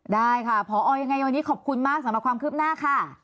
ได้ค่ะพอยังไงวันนี้ขอบคุณมากสำหรับความคืบหน้าค่ะ